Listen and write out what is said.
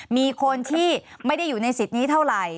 มีคนที่ไม่ได้อยู่ในสิทธิ์นี้เท่าไหร่